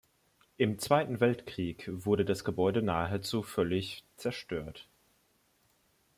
Im Zweiten Weltkrieg wurde das Gebäude nahezu völlig zerstört.